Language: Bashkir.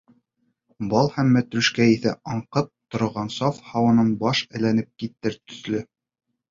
Бал һәм мәтрүшкә еҫе аңҡып торған саф һауанан баш әйләнеп китер төҫлө.